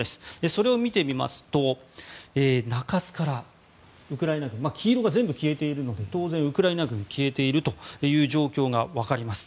それを見てみますと中州からウクライナ軍黄色が全部消えているので当然ウクライナ軍が消えているという状況が分かります。